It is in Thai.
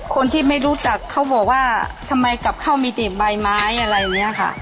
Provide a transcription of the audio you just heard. คนที่ไม่รู้จักเขาบอกว่าทำไมกับข้าวมีติดใบไม้อะไรเนี่ยค่ะ